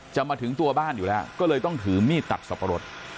จะมาถึงตัวบ้านอยู่แล้วก็เลยต้องถือมีดตัดสับปะรด